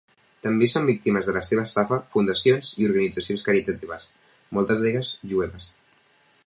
També són víctimes de la seva estafa fundacions i organitzacions caritatives moltes d'elles jueves.